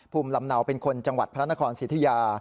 ภูมิลำเนาเป็นคนจังหวัดพระนครสิทธิยา